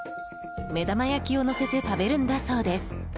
目玉焼きをのせて食べるんだそうです。